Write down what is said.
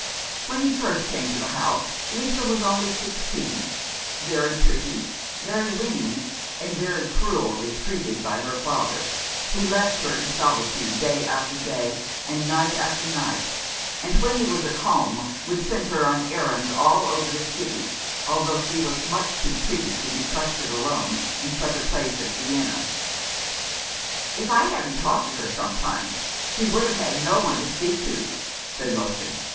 When he first came to the house Lisa was only sixteen — very pretty, very winning, and very cruelly treated by her father, who left her in soli tude day after day, and night after night, and when he was at home would send her on errands all over the city, although she was much too pretty to be trusted alone in such a place as Vienna. " If I hadn't talked to her sometimes, she would have had no one to speak to," said Lottchen.